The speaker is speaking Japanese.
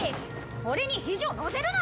俺に肘を乗せるな！